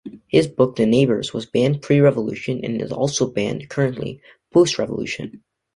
His book "the neighbours" was banned pre-revolution and is also banned currently post-revolution.